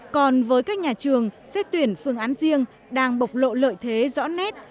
còn với các nhà trường xét tuyển phương án riêng đang bộc lộ lợi thế rõ nét